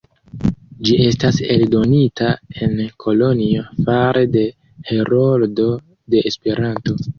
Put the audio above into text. Ĝi estas eldonita en Kolonjo fare de Heroldo de Esperanto.